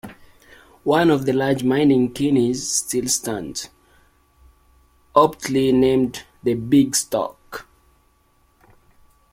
One of the large mining chimneys still stands, aptly named the 'big stack'.